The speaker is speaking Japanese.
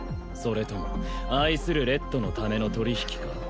それとも愛するレッドのための取引か？